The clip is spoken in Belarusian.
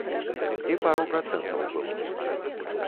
І пару працэнтаў было.